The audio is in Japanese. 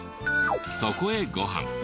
そこへご飯。